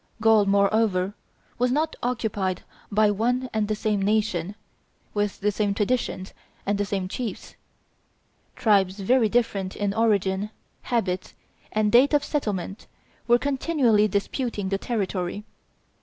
Gaul, moreover, was not occupied by one and the same nation, with the same traditions and the same chiefs. Tribes very different in origin, habits, and date of settlement, were continually disputing the territory.